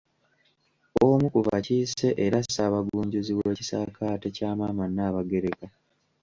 Omu ku bakiise era Ssaabagunjuzi w’ekisaakaate kya Maama Nnaabagereka.